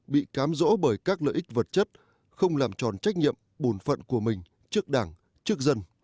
bị cám dỗ bởi các lợi ích vật chất không làm tròn trách nhiệm bổn phận của mình trước đảng trước dân